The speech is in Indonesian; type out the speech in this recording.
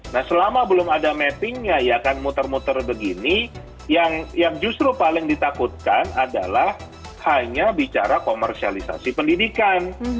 nah selama belum ada mappingnya ya kan muter muter begini yang justru paling ditakutkan adalah hanya bicara komersialisasi pendidikan